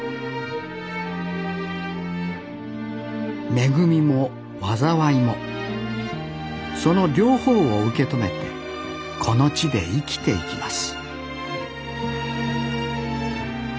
恵みも災いもその両方を受け止めてこの地で生きていきます